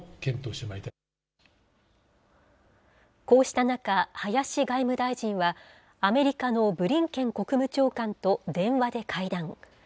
こうした中、林外務大臣は、アメリカのブリンケン国務長官と電話で会談。